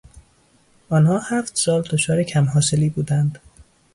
آنها هفت سال دچار کم حاصلی بودند.